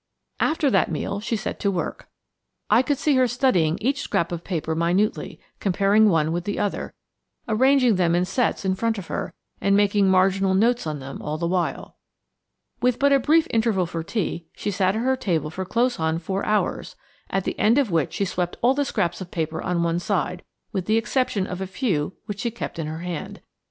After that meal she set to work. I could see her studying each scrap of paper minutely, comparing one with the other, arranging them in sets in front of her, and making marginal notes on them all the while. With but a brief interval for tea, she sat at her table for close on four hours, at the end of which she swept all the scraps of paper on one side, with the exception of a few which she kept in her hand.